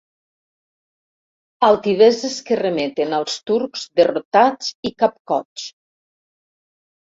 Altiveses que remeten als turcs derrotats i capcots.